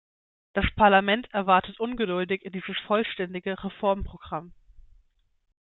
Das Parlament erwartet ungeduldig dieses vollständige Reformprogramm.